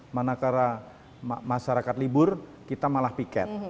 mana karena masyarakat libur kita malah piket